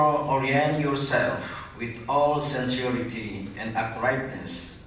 jadi orient diri sendiri dengan semua sensualitas dan kebenaran